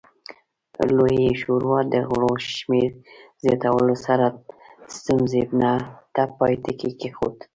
د لویې شورا د غړو شمېر زیاتولو سره ستونزې ته پای ټکی کېښود